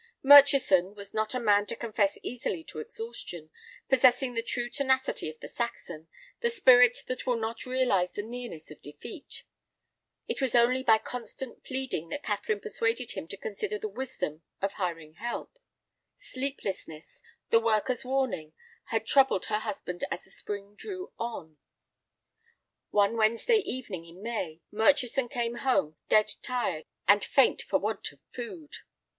Murchison was not a man to confess easily to exhaustion, possessing the true tenacity of the Saxon, the spirit that will not realize the nearness of defeat. It was only by constant pleading that Catherine persuaded him to consider the wisdom of hiring help. Sleeplessness, the worker's warning, had troubled her husband as the spring drew on. One Wednesday evening in May, Murchison came home dead tired and faint for want of food.